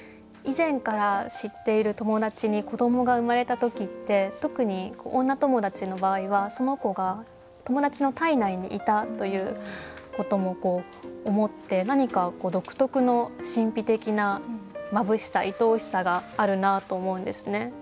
以前から知っている友達に子どもが生まれた時って特に女友達の場合はその子が友達の体内にいたということも思って何か独特の神秘的なまぶしさいとおしさがあるなと思うんですね。